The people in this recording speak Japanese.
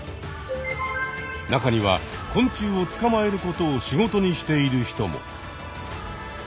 中には昆虫をつかまえることを仕事にしている人も。